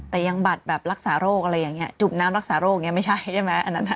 แต่ยังบัตรแบบรักษาโรคอะไรอย่างเนี้ยจุบน้ำรักษาโรคอย่างเนี้ยไม่ใช่ใช่ไหมอันนั้น